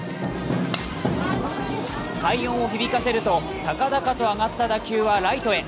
快音を響かせると、高々と上がった打球はライトへ。